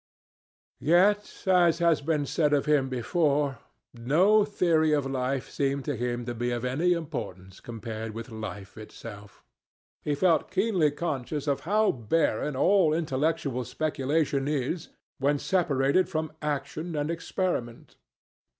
Yet, as has been said of him before, no theory of life seemed to him to be of any importance compared with life itself. He felt keenly conscious of how barren all intellectual speculation is when separated from action and experiment.